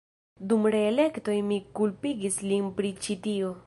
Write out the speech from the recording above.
Dum reelektoj mi kulpigis lin pri ĉi tio.